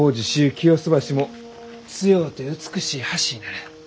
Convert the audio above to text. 清洲橋も強うて美しい橋になる。